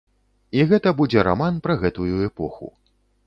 І гэта будзе раман пра гэтую эпоху.